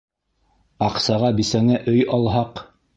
Аҡсаға бисәңә өй алһаҡ...